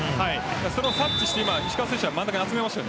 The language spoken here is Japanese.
それを察知して石川選手が真ん中に集めました。